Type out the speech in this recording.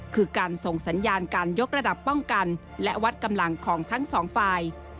คือการส่งสัญญาณการยกระดับป้องกันและวัดกำลังของทั้งสองฝ่าย